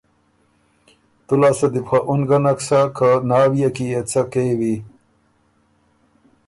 تُو لاسته دی بو خه اُن نک سۀ که ناويې کی يې څۀ کېوی